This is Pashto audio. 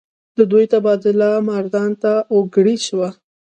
د دوي تبادله مردان ته اوکړے شوه ۔